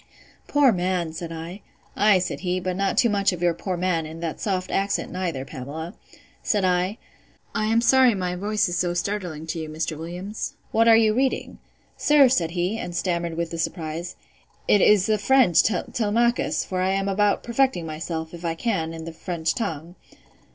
Poor man! said I. Ay, said he, but not too much of your poor man, in that soft accent, neither, Pamela.—Said I, I am sorry my voice is so startling to you, Mr. Williams. What are you reading? Sir, said he, and stammered with the surprise, it is the French Telemachus; for I am about perfecting myself, if I can, in the French tongue.